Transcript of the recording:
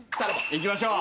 行きましょう。